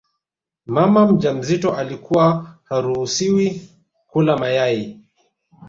Mama mjamzito alikuwa haruhusiwi kula mayai